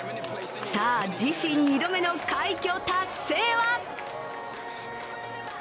さあ、自身２度目の快挙達成は？